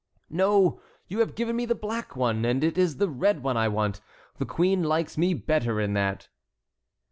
"No, you have given me the black one, and it is the red one I want. The queen likes me better in that."